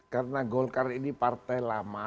karena golkar ini partai lama